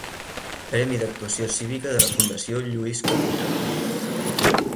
Premi d'Actuació Cívica de la Fundació Lluís Carulla.